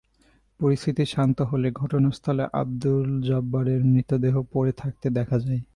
পরিস্থিতি শান্ত হলে ঘটনাস্থলে আবদুল জব্বারের মৃতদেহ পড়ে থাকতে দেখা যায়।